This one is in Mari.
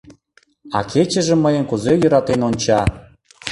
А кечыже мыйым кузе йӧратен онча...